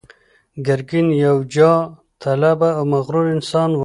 ګرګين يو جاه طلبه او مغرور انسان و.